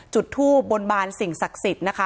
จุดทูบบนบานสิ่งศักดิ์สิทธิ์นะคะ